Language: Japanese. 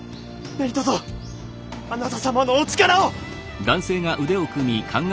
何とぞあなた様のお力を！